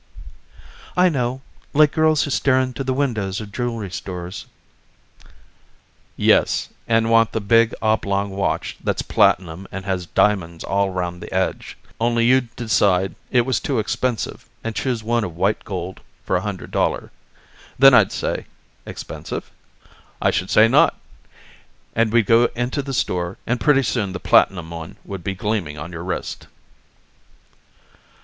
"I know like girls who stare into the windows of jewelry stores." "Yes and want the big oblong watch that's platinum and has diamonds all round the edge. Only you'd decide it was too expensive and choose one of white gold for a hundred dollar. Then I'd say: 'Expensive? I should say not!' And we'd go into the store and pretty soon the platinum one would be gleaming on your wrist."